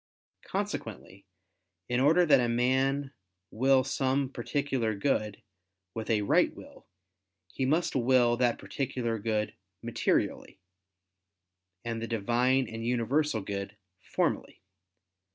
Consequently, in order that a man will some particular good with a right will, he must will that particular good materially, and the Divine and universal good, formally.